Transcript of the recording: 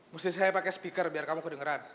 mesti saya pakai speaker biar kamu kedengeran